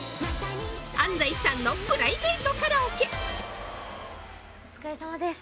安斉さんのプライベートカラオケお疲れさまです